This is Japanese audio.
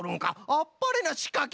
あっぱれなしかけじゃ！